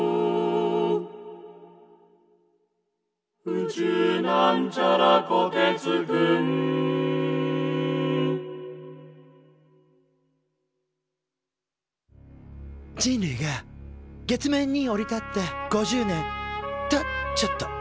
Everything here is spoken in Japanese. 「宇宙」人類が月面に降り立って５０年。とちょっと。